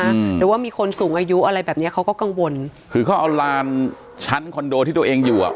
หรือว่ามีคนสูงอายุอะไรแบบเนี้ยเขาก็กังวลคือเขาเอาลานชั้นคอนโดที่ตัวเองอยู่อ่ะ